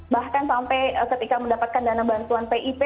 bahkan sampai ketika mendapatkan dana bantuan pip